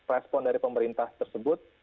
respon dari pemerintah tersebut